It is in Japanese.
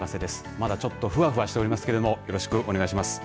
まだ、ちょっとふわふわしていますけれどもよろしくお願いします。